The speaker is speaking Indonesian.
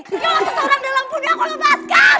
kalau seseorang dalam bunyi aku lepaskan